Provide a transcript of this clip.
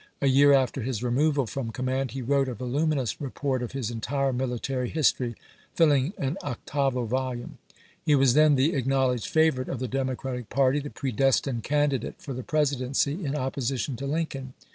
A year after his removal from command he wrote a voluminous report of his entire miUtary history, filling an octavo volume. He was then the ac knowledged favorite of the Democratic party, the predestined candidate for the Presidency in oppo sition to Lincoln.